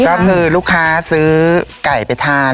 ก็คือลูกค้าซื้อไก่ไปทาน